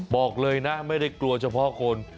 บอกเลยนะไม่ได้กลัวเฉพาะคน